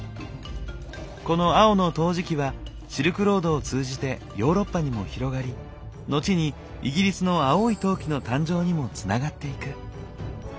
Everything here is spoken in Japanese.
この青の陶磁器はシルクロードを通じてヨーロッパにも広がり後にイギリスの青い陶器の誕生にもつながっていく。